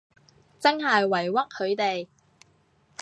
真係委屈佢哋